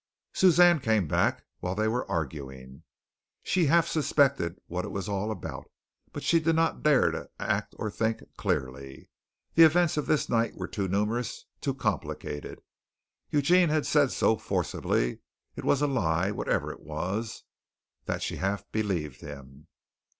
Suzanne came back while they were arguing. She half suspected what it was all about, but she did not dare to act or think clearly. The events of this night were too numerous, too complicated. Eugene had said so forcibly it was a lie whatever it was, that she half believed him.